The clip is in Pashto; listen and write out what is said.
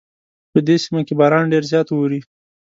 په دې سیمه کې باران ډېر زیات اوري